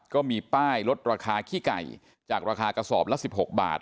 ก็มีป้ายลดราคาขี้ไก่จากราคากระสอบละ๑๖บาท